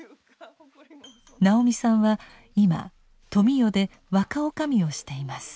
直美さんは今富美代で若女将をしています。